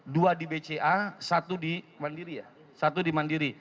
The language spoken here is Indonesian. dua di bca satu di mandiri